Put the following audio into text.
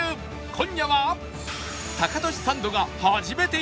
今夜は